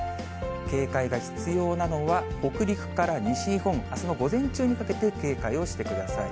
警戒が必要なのは、北陸から西日本、あすの午前中にかけて警戒をしてください。